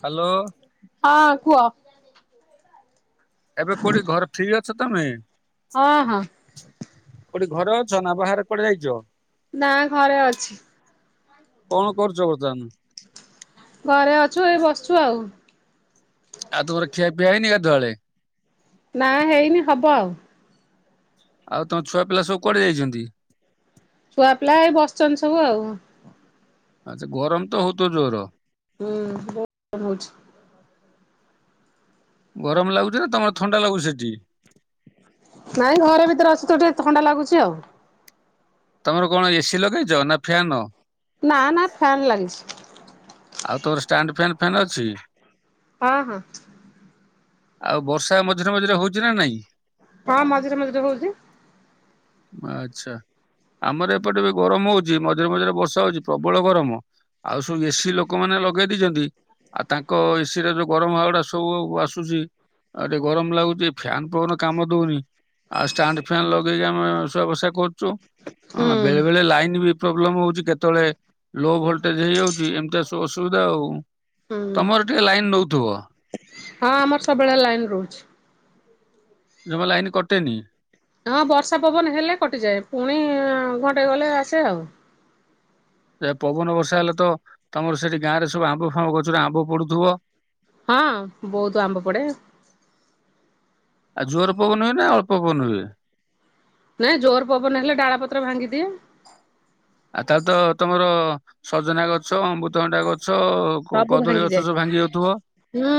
Hello ହଁ କୁହ। ଏବେ କୋଉଠି ଘରେ ଫି ଅ ଛ ତମେ ହଁ ହଁ। କୋଉଠି ଘର ଅଛ ନା ବାହାରେ କୁଆଡ଼େ ଯାଇଚି। ନା ଘରେ ଅଛି। କଣ କରୁଚି ବର୍ତ୍ତମାନ? ଘରେ ଅଛୁ ଏ ବସିଚି ଆଉ। ଆଉ ତୁମର ଖିଆପିଆ ହେଇନି ଦଳେ ନା ହେଇନି ହବ ଆଉ। ଆଉ ତମ ଛୁଆ ପିଲା ସବୁ କୁଆଡେ ଯାଇଚନ୍ତି? ଛୁଆପିଲା ଏ ବସିଚିନ୍ତି ସବୁ ଆଉ, ଆଚ୍ଛା ଗରମ ତ ହେଉଥିବ ଜୋର। ହୁଁ ବହୁତ ହେଉଚି। ଗରମ ଲାଗୁଛି ନା ତମର ଥଣ୍ଡା ଲାଗୁଛି ସେଠି ନାଇଁ ଘରେ ଭିତରେ ଅଛୁ ତୁ ଟିକେ କେତ ଖଣ୍ଡା ଲାଗୁଛି ଆଉ ତମର କଣ ଏସି ଲଗେଇଛ ନା ଫ୍ୟାନ ନା ନା ଫ୍ୟନ୍ ଲାଗିଛି ଆଉ ତୋର ଷ୍ଟାଣ୍ଡ ଫ୍ୟାନ୍ ଫନ୍ ଅଛି ହଁ ହଁ ଆଉ ବର୍ଷା ମଝିରେ ମଝିରେ ହଉଛି ନା ନାଇଁ ହଁ ମାଝିର ମଝିରେ ହଉଛି ଆଚ୍ଛା ଆମର ଏପଟେ ଗରମ ହଉଛି ମଝିରେ ମଝିରେ ବର୍ଷା ହଉଛି ପ୍ରବଳ ଗରମ ଆଉ ସବୁ ଏସିି ଲୋକମାନେ ଲଗେଇ ଦେଇଛନ୍ତି ଆଉ ତାଙ୍କ ଏସିି ରେ ଯୋଉ ଗରମ ହବାଟା ସବୁ ଆସୁଛି ଆଉ ଟିକେ ଗରମ ଲାଗୁଛି ଫ୍ୟାନ ପବନ କାମ ଦଉନି ଆଉ ଷ୍ଟାଣ୍ଡ ଫାନ ଲଗେଇକି ଆମେ ଶୁଆବସା କରୁଛୁ ହୁଁ ହଁ ବେଳେ ବେଳେ ଲାଇନ୍ ବି ପ୍ରୋବ୍ଲେମ ହଉଛି କେତେବେଳେ ଲୋ ଭୋଲଟେଜ୍ ହେଇଯାଉଛି ଏମିତି ସୁବୁ ଅସୁବିଧା ଆଉ ହୁଁ। ତମର ଟିକେ ଲାଇନ ଦଉଥିବ ହଁ ଆମର ସବୁବେଳେ ଲାଇନ ରହୁଛି ଜମା ଲାଇନ କଟେନି ହଁ ବର୍ଷା ପବନ ହେଲେ କଟିଯାଏ ପୁଣି ଘଣ୍ଟେ ଗଲେ ଆସେ ଆଉ ପବନ ବର୍ଷା ହେଲେ ତ ତମର ସେଠି ଗାଁ ରେ ସବୁ ଆମ୍ବ ଫମ୍ବ ଗଛରେ ଆମ୍ବ ପଡୁଥିବ। ହଁ ବହୁତ ଆମ୍ବ ପଡେ। ଆଉ ଜୁଆର ପବନ ହୁଏ ନା ଅଳ୍ପ ପବନ ହୁଏ। ନାଇଁ ଜୋର ପବନ ହେଲେ ଡାଳ ପତ୍ର ଭାଙ୍ଗିଦିଏ। ଆଉ ତାହେଲେ ତ ତମର ସଜନା ଗଛ ଅମୃତଭନନ୍ଦ୍ଦା ଗଛ। ଗଛ ସବୁ କଦଳୀ ଗଛ ଭାଙ୍ଗିଯାଏ ସବୁ ଭାଙ୍ଗି ଯାଉଥିବ। ହୁଁ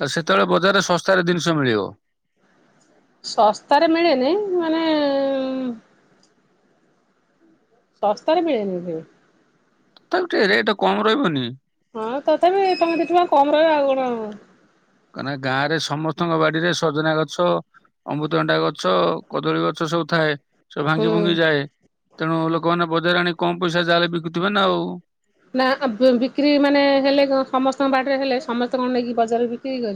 ତ ସେତେବେଳେ ବଜାରରେ ଶସ୍ତାରେ ଜିନିଷ ମିଳିବ। ଶସ୍ତାରେ ମିଳେନି ମାନେ। ଶସ୍ତାରେ ମିଳେନି ସେ। ତାକୁ ଟିକେ ରେଟ କମ ରହିବନି। ହଁ ତଥାପି ଟଙ୍କେ ଦିଟଙ୍କା କମ ରହିବ ଆ । ହଁ। କାହିଁକିନା ଗାଁରେ ସମସ୍ତଙ୍କ ବାଡିରେ ସଜନା ଗଛ ଅମୃତଭଣ୍ଡା ଗଛ କଦଳୀ ଗଛ ସବୁ ଥାଏ। ସ ହୁଁ। ଭାଙ୍ଗି ଭୁଙ୍ଗି ଯାଏ ତେଣୁ ଲୋକମାନେ। ବଜାର ଆଣି କମ ପଇସା ଯାହାଲେ ବିକୁଥିବେ ନା ଆଉ। ନା ବିକ୍ରି ମାନେ ହେଲେ ସମସ୍ତଙ୍କ ବାଟରେ ହେଲେ ସମସ୍ତେ କଣ ନେଇକି। ବଜାର ବିକ୍ରି କର।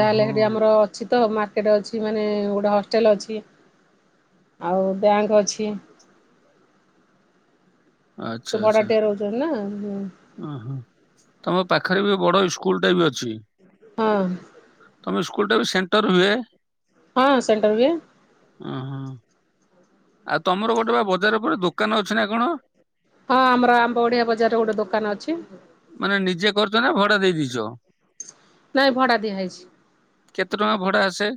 ଓହୋ। ସେଠି ଆମର ଅଛି ତ ମାର୍ । କେଟ ଅଛି ମାନେ ଗୋଟେ ହଷ୍ଟେଲ ଅଛି ଆଉ ବ୍ୟାଙ୍କ୍ ଅଛି। ତ ଭଡାଟିଆ ରହୁଛନ୍ତି ନା। ହୁଁ। ଓ ହୋ ତମ ପାଖରେ ବି ବଡ ସ୍କୁଲ ଟା ବି ଅଛି। ହଁ। ତମେ ସ୍କୁଲ ଟା ବି ସେଣ୍ଟର ହୁଏ। ହଁ ସେଣ୍ଟର ହୁଏ। ହ ହ। ଆଉ ତମର ଗୋଟେ ବା ବଜାର ଉପରେ ଦୋକାନ ଅଛି ନା କଣ। ହଁ ଆମର ଆମ ଓଡିଆ ବଜାରରେ ଗୋଟେ ଦୋକାନ ଅଛି। ମାନେ ନିଜେ କରଛ ନା ଭଡା ଦେଇଦେଇଛ। ନାଇଁ ଭଡା ଦିଆ ହେଇଛି। କେତେ ଟଙ୍କା ଭଡା ଆସେ।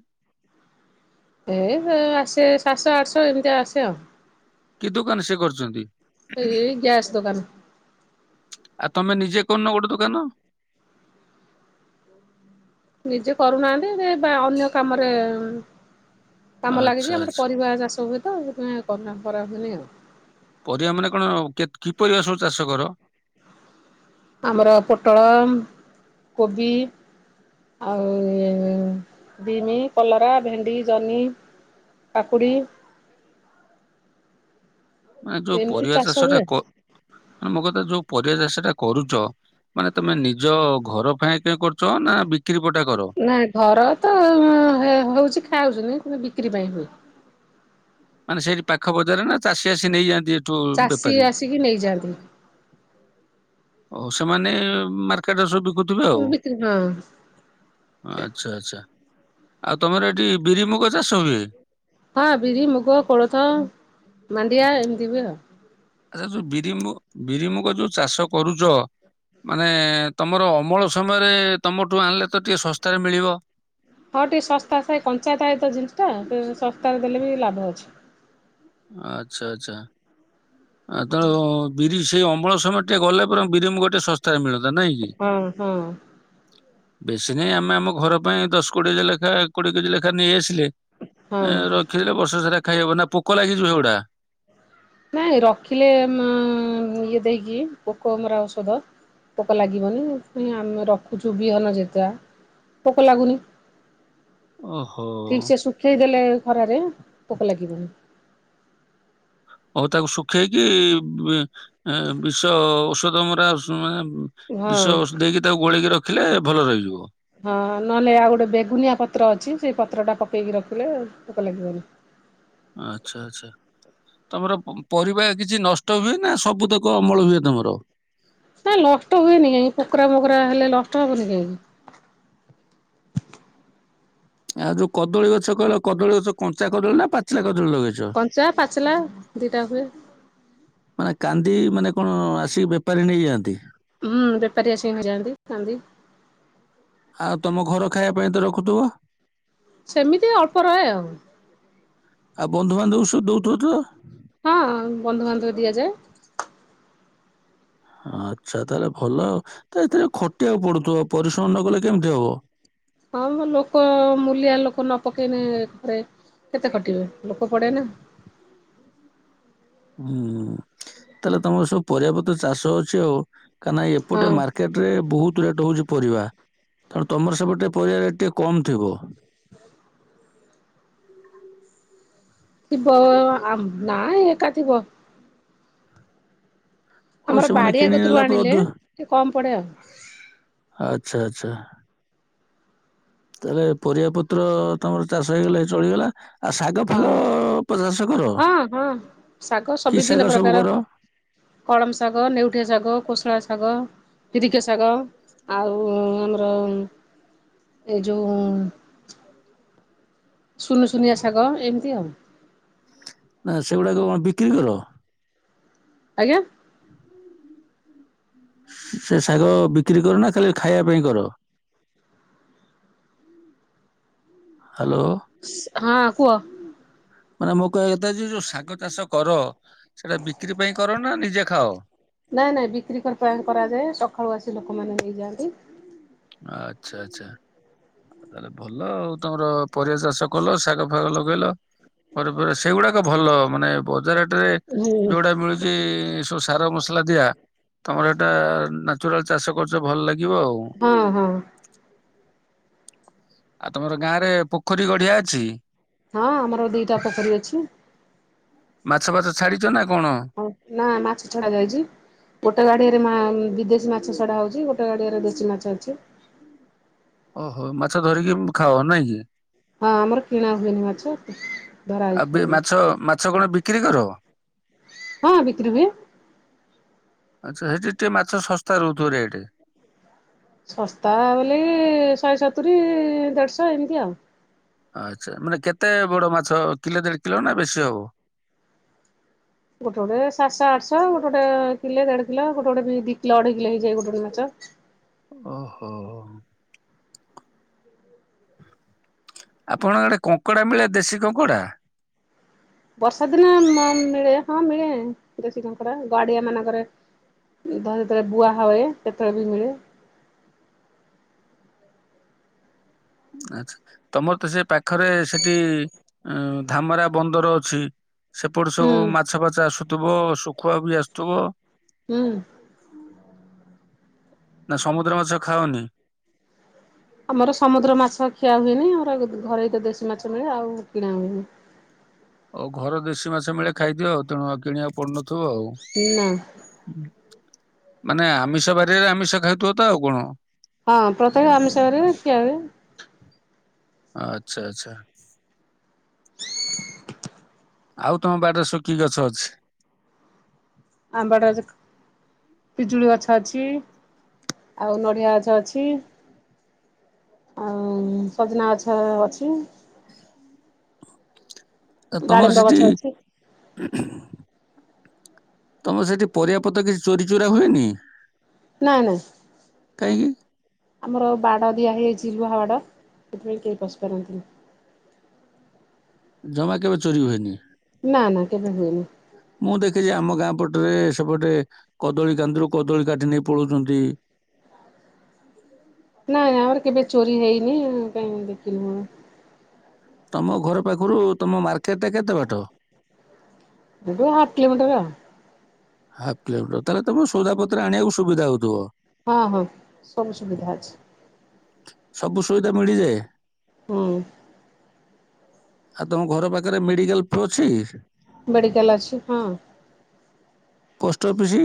ଏ ଆସେ ସାତ ଆଠଶହ। ଏମିତି ଆସେ ଆଉ। କି ଦୋକାନ ସେ କରିଛନ୍ତି ଏଇ ଗ୍ୟାସ୍ ଦୋକାନ ଆଉ ତମେ ନିଜ। ଯେକ ନ ଗୋଟେ ଦୋକାନ। ନିଜେ କରୁନାହାନ୍ତି ବା ଅନ୍ୟ କାମରେ। କାମ ଲାଗେ ଆଚ୍ଛା କି ଆମର ଆଚ୍ଛା। ପରିବା ଚାଷ ହୁଏ। ତୁମେ କରା ହୁଏନି ଆଉ। ପରିବା ମାନେ କଣ କି ପରିବା ସବୁ ଚାଷ କର। ଆମର ପୋଟଳ, କୋବି, ଆଉ ବିମି, କଲରା, ଭେଣ୍ଡି, ଜହ୍ନି, କାକୁଡ଼ି ମାନେ ଯୋଉ ଏମିତି ପରିବା ଚାଷ ଟା ହୁଏ। କ ମାନ ମୋ କଥା ଯୋଉ ପରିବା ଚାସ ଟା କରୁଛ ମାନେ ତମେ ନିଜ ଘର ପାଇଁ କେ କରୁଛ ନା ପଟା କର? ନାଇଁ ଘର ତ ହଉଛି ଖାଉଛିନି କି ବିକ୍ର ପାଇଁ ହୁଏ। ମାନେ ସେଇଠି ପାଖ ବଜାରରେ ନା ଚାଷୀ ଆସି ନେଇଯାନ୍ତି ଏଠି। ଚାଷୀ ଆସିକି ନେଇଯାଆନ୍ତି। ଓଉ ସେମାନେ ମାର୍କେଟରେ ସବ ଥିବେ ଆଉ ବିକ୍ରି ହଁ ଆଚ୍ଛା ଆଛା। ଆଉ ତମର ଏଠି ବିରି ମୁୁଗ ଚାଷ ହୁଏ। ହଁ ବିରି, ମୁଗ, କୋଳଥ, ମାଣ୍ଡିଆ ଏମିତି ବି ଆଉ ଆଛା ଯୋଉ ବିରିମୁ ବିରିମୁଗ ଯୋଉ ଚାଷ କରୁଛ ମାନେ ତମର ଅମଳ ସମୟରେ ତମଠୁ ଆଣିଲେ ତ ଟିକେ ଶସ୍ତାରେ ମିଳିବ। ହଁ ଟିକେ ଶସ୍ତା ସାଏ କଞ୍ଚାୟତଏ ତ ଜିନିଷ ଟା ଶସ୍ତାରେ ଦେଲେ ବି ଲାଭ ଅଛି। ଆଛା ଆଛା। ଆ ତ ବିରି ସେଇ ଅମ୍ ଅମଳ ସମୟ ଟିକେ ଗଲେ ବରଂ ବିରିମୁଗ ଗୋଟେ ଶସ୍ତ ତାର ମିଳତା ନାଇଁ କି। ହଁ ହଁ ବେଶୀ ନାହିଁ ଆମେ ଆମ ଘର ପାଇଁ ଦଶ କୋଡ଼ିଏ ଲେଖାଏ କୋଡିଏ କେଜି ଲେଖା ନେଇଆସିଲେ ହଁ। ରଖିଥିଲେ ବର୍ଷ ସାରା ଖାଇହବ ନା ପୋକ ଲାଗିଯିବ ସେଗଡ଼ା ନାଇଁ ରଖିଲେ ଇଏ ଦେଇକି ପୋକ ମରା ଔଷଧ ପୋକ ଲାଗିବନି ସେଥିପାଇ ଆମେ ରଖୁଛୁ ବିହନ ଯେତା ପୋକ ଲାଗୁନି। ଓହୋ। ଠିକ ସେ ଶୁଖେଇ ଦେଲେ। ଖରାରେ ପୋକ ଲାଗିବନି। ଆଉ ତାକୁ ଶୁଖେଇକି ବିଷ ଔଷଧ ମରା ମାନେ ହଁ। ବିଷ ଦେଇକି ତାକୁ ଗୋଳକି ରଖ ରଖିଲେ ଭଲ ରହିଯିବ। ହଁ ନହେଲେ ଆଉ ଗୋଟେ ବେଗୁନିଆ ପତ୍ର ଅଛି ସେ ପତ୍ରଟା ପକେଇକି ରଖିଲେ ପୋକ ଲାଗିବନି। ଆ୍ଛା ଆଛା ତମର ପରିବା କିଛି ନଷ୍ଟ ହୁଏ ନା ସବୁ ତକ ଅମଳ ହୁଏ ତମର। କାଇଁ ନଷ୍ଟ ହୁଏନି କାଇଁ ପୋକରା ବୋକରା ହେଲେ ଲ କଷ୍ଟବନି ଆଉ ଯୋଉ କଦଳୀ ଗଛ କହିଲ କଦଳୀ ଗଛ କଞ୍ଚା କଦଳୀ ନା ପାଚିଲା କଦଳୀ ଲଗେଇଛ? କଞ୍ଚା ପାଚଲା ଦିଟା ହୁଏ [inaudible] ମାନେ କାନ୍ଦି ମାନେ କଣ ଆସିକି ବେପାରୀ ନେଇଯାଆନ୍ତି। ହୁଁ ବେପାର ଆସିନ ହେଇଯନ୍ତି କାନ୍ଦି ଆଉ ତମ ଘର ଖାଇବା ପାଇଁ ତ ରଖୁଥିବ। ସେମିତି ଅଳ୍ପ ରହେ ଆଉ। ଆଉ ବନ୍ଧୁବାନ୍ଧବଙ୍କୁ ସବୁ ଦଉଥିବ ତ। ହଁ ବନ୍ଧୁବାନ୍ଧବ ଦିଆଯାଏ ଆଚ୍ଛା ତାହେଲେ ଭଲ ଆଉ। ଏଥିରେ ଖଟିବାକୁ ପଡୁଥିବ ପରିଶ୍ରମ ନ କଲେ କେମିତି ହବ। ହଁ ଲୋକ ମୁଲିଆ ଲୋକ ନ ପକେଇଲେ କେତେ କଟିବେ ଲୋକ ପଡେ ନା। ହୁଁ। ତାହେଲେ ତମର ସବୁ ପରିବା ପତ୍ର ଚାଷ ଅଛି ଆଉ। କାହିଁକି ନ ଏପଟେ ହଁ ମାର୍କେଟ ରେ ବହୁତ ରେଟ ହଉଛି ପରିବା ତେଣୁ ତମର ସେପଟେ ପରିବା ରେଟ୍ ଟିକେ କମ୍ ଥିବ। [inaudible] [unintelligible] ଥିବ ଆ ନାହିଁ ଏକା ଥିବ। ଓ ଆମର ସେମାନେ ବାଡିଆ କିଣି ଗତରୁ ନେଲା ପରେ ଆଣିଲେ ଅଧିକ ଟିକେ କମ୍ ପଡେ ଆଉ। ଆଚ୍ଛା ଆଚ୍ଛା। ତାହେଲେ ପରିବା ପତ୍ର ତମର ଚାଷ ହେଇଗଲେ ଚଳିଗଲା। ଆଉ ଶାଗ ହଁ ଫାଗ ଚାଷ କର ହଁ ହଁ ଶାଗ କି ସବି ଶାଗ ବିଭିନ୍ନ ସବୁ ପ୍ରକାର କର କଳମ ଶାଗ, ନେଉଠିଆ ଶାଗ, କୋଶଳା ଶାଗ। ଶାଗ, କିରିକା ଶାଗ ଆଉ ଆମର ଏ ଯୋଉ ସୁନୁ ଶୁନିଆ ଶାଗ ଏମିତି ଆଉ। ନା ସେଗୁଡାକ କଣ ବିକ୍ରି କର। ଆଜ୍ଞା। ସେ ଶାଗ ବିକ୍ରି କର ନା ଖାଲି ଖାଇବା ପାଇଁ କର। ହ୍ୟାଲୋ ହଁ କୁହ। ମାନେ ମୋ କହିବା କଥା ଯେ ଯୋଉ ଶାଗ ଚାଷ କର। ସେଇଟା ବିକ୍ରି ପାଇଁ କର ନା ନିଜେ ଖାଅ ନାଇଁ ନାଇଁ ବିକ୍ରି କରାଯାଏ। ସକାଳୁ ଆସି ଲୋକମାନେ ନେଇଯାଆନ୍ତି। ଆଚ୍ଛା ଆଚ୍ଛା ହୋଉ ତାହେଲେ ଭଲ ଆଉ ତମର ପରିବା ଚାଷ କଲ। ଫାଗ ଲଗେଇଲ ପରେ ପରେ ସେଇଗୁଡାକ ଭଲ ମାନେ ବଜାରଟରେ ହୁଁ। ଯୋଉଟା ମିଳୁଛି। ସାରମସା। ହେଲା ଦିଆ ତମର ଏଟା ନାଚୁରାଲ ଚାଷ କରୁଛ ଭଲ ଲାଗିବ ଆଉ। [inaudible] ଆଉ ତମର ଗାଁ ରେ ପୋଖରୀ ଗଢିଆ ଅଛି। ହଁ ଆମର ଦିଟା ପୋଖରୀ ଅଛି। ମାଛ ଫଛ ଛାଡିଛ ନା। କଣ? ହ ନା ମାଛ ଛଡା ଯାଇଛି। ଗୋଟେ ଗାଡିଆରେ ମା ବିଦେଶୀ ମାଛ ସଡା ହଉଛି ଗୋଟେ ଗଡିଆରେ ଦେଶୀ ମାଛ ଅଛି। ଓହୋ ମାଛ ଧରିକି ଖାଅ ନାଇଁ କି। ହଁ ଆମର କିଣା ହୁଏନି ମାଛ। ତ ଆଉ ମାଛ ମାଛ କଣ ବିକ ବିକିରି କର। [inaudible] ହଁ ବିକ୍ରି ହୁଏ। ଆଚ୍ଛା ସେଠି ଟିକେ ମାଛ ଶସ୍ତା ରହୁଥିବ ରେଟ ଶସ୍ତା ବୋଲି ଶହେ ସତ ତୁରି ଦେଢ଼ଶହ ଏମିତି ଆଉ । ଆଚ୍ଛା ମାନେ କେତେ ବଡ ମାଛ କିଲୋ ଦେଢ କିଲୋ ନା ବେଶୀ ହବ । ଗୋଟେ ଗୋଟେ ସାତଶହ ଆଠଶହ ଗୋଟେ ଗୋଟେ କିଲେ ଦେଢ କିଲ ଗୋଟେ ଗୋଟେ ବି ଦି କିଲ ଅଢ଼େଇ କିଲ ହେଇଯାଏ ଗୋଟେ ଗୋଟେ ମାଛ । ଓହୋ ଆପଣଙ୍କ ଆଡ଼େ କଙ୍କଡା ମିଳେ ଦେଶୀ କଙ୍କଡା । ବର୍ଷା ଦିନେ ମିଳେ ହଁ ମିଳେ ଦେଶୀ କଙ୍କଡା ଗାଡିଆ ମାନଙ୍କରେ ଯେତେବେଳେ ବୁହା ହୁଏ ସେତେବେଳେ ବି ମିଳେ । ଆଚ୍ଛା ତମର ତ ସେ ପାଖ ପାଖରେ ସେଠି ଧାମରା ବନ୍ଦର ଅଛି ସେପଟୁ ହୁଁ ସବୁ ମାଛ ଫାଛ ଆସୁ ଥିବ ଶୁଖୁଆ ବି ଆସୁଥିବ ହୁଁ ନା ସମୁଦ୍ର ମାଛ ଖାଅନି? ଆମର ସମୁଦ୍ର ମାଛ ଖିଆ ହୁଏନି ଆମର ଘରୋଇ ତ ଦେଶୀ ମାଛ ମିଳେ ଆଉ କିଣା ହୁଏନି। ଆଉ ଘର ଦେଶୀ ମାଛ ମିଳେ ଖାଇଥିବ ଆଉ ତେଣୁ କିଣିବାକୁ ପଡ଼ୁନଥିବ। ଥିବ ନା ଆଉ। ମାନେ ଆମିଷ ବାରିରେ ଆମିଷ ଖାଉଥିବ ତ ଆଉ କଣ? ହଁ ପ୍ରତ୍ୟେକ ଆମିଷ ବାରିରେ ଖିଆ ହୁଏ। ଆଚ୍ଛା ଆଚ୍ଛା। ଆଉ ତମ ବାଡ଼ିରେ ସବୁ କି ଗଛ ଅଛି? ଆମ୍ବଡା ଗଛ ପିଜୁଳି ଗଛ ଅଛି ଆଉ ନଡିଆ ଗଛ ଅଛି ଆଉ ସଜନା ଗଛ ଅଛି ତମର ଡାଳିମ୍ବ ସେଠି ଗଛ ଅଛି। ତମ ସେଠି ପରିବାପତ୍ର କିଛି ଚୋରି ଚୋରା ହୁଏନି? ନାଇଁ ନାଇଁ କାହିଁକି? ଆମର ବାଡ ଦିଆ ହେଇଛି। ସିଲୁଆ ହାଡ଼ ସେଥିପାଇଁ କେହି ପଶି ପାରନ୍ତିନି। ଜମା କେବେ ଚୋରି ହୁଏନି? ନା ନା କେବେ ହୁଏନି । ସେପଟରେ ସେପଟେ କଦଳୀ କାନ୍ଦିରୁ କଦଳୀ କାଟି ନେଇ ପଳଉଛନ୍ତି ନାଇଁ ନାଇଁ ଆମର କେବେ ଚୋରି ହେଇନି କାହିଁକି ଦେଖିଲୁ । ତମ ଘର ପାଖରୁ ତମ ମାର୍କେ ଏଇଠୁ ହାଫ୍ କିଲୋମିଟର ଆଉ। ହାଫ୍ କିଲୋମିଟର ତାହେଲେ ତମର ସଉଦା ପତର ଆଣିବାକୁ ସୁବିଧା ହଉଥିବ। ହଁ ହଁ ସବୁ ସୁବିଧା ଅଛି ସବୁ ସୁବିଧା ମିଳିଯାଏ ହୁଁ ଆଉ ତମ ଘର ପାଖରେ ମେଡିକାଲ ଟି ଅଛି ମେଡିିକାଲ ଅଛି ହଁ ପୋଷ୍ଟ ଅଫିସି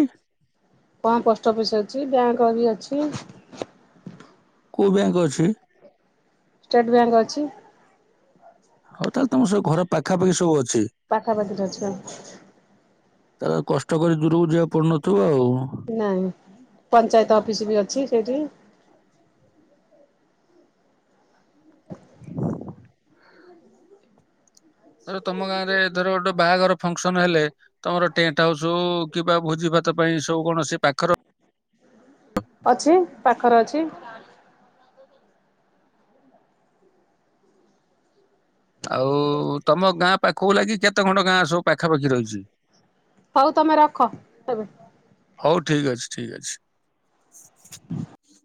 ହଁ ପୋଷ୍ଟ ଅଫିସ ଅଛି ବ୍ୟାଙ୍କ ବି ଅଛି କୋଉଁ ବ୍ୟାଙ୍କ ଅଛି ଷ୍ଟେଟ ବ୍ୟାଙ୍କ ଅଛି ହଉ ତାହେଲେ ତମ ସବୁ ଘର ପାଖାପାଖି ସବୁ ଅଛି। ପାଖାପାଖିରେ ଅଛି ସବୁ ତାହେଲେ କଷ୍ଟ କରି ଦୂରକୁ ଯିବାକୁ ପଡୁନଥିବ ଆଉ ନାଇଁ ପଞ୍ଚାୟତ ଅଫିସ ବି ଅଛି ଏଠି ହ [inaudible] ହେଲେ ତମ ଗାଁ ରେ ଧରୋ ଗୋଟେ ବାହାଘର ଫଙ୍କସନ୍ ହେଲେ ତମର ଟେଣ୍ଟ ହାଉସ ହଉ କିମ୍ବା ଭୋଜି ଭାତ ପାଇଁ ସବୁ କଣ ସେ ପାଖର ଅଛି ପାଖରେ ଅଛି ଆଉ ତମ ଗାଁ ପାଖକୁ ଲାଗି କେତେ ଖଣ୍ଡ ଗାଁ ସବୁ ପାଖାପାଖି ରହିଛି ହଉ ତମେ ରଖ ଏବେ ଠିକ୍ ଅଛି [inaudible]